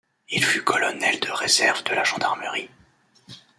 Il fut colonel de réserve de la gendarmerie.